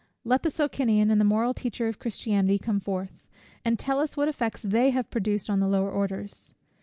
Let the Socinian and the moral teacher of Christianity come forth, and tell us what effects they have produced on the lower orders.